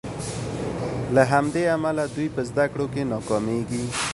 له همدې امله دوی په زدکړو کې ناکامیږي.